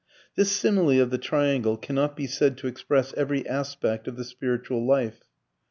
This simile of the triangle cannot be said to express every aspect of the spiritual life.